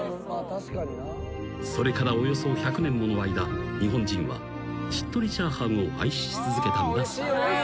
［それからおよそ１００年もの間日本人はしっとりチャーハンを愛し続けたのだそう］